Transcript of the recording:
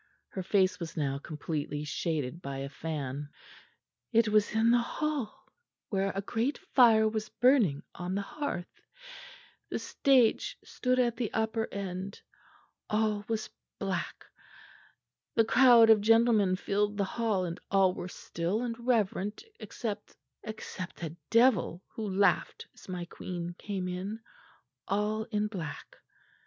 Her face was now completely shaded by a fan. "It was in the hall, where a great fire was burning on the hearth. The stage stood at the upper end; all was black. The crowd of gentlemen filled the hall and all were still and reverent except except a devil who laughed as my queen came in, all in black.